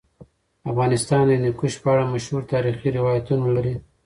افغانستان د هندوکش په اړه مشهور تاریخی روایتونه لري.